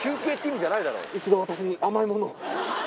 一度、私に甘いものを。